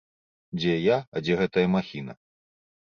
Дзе я, а дзе гэтая махіна.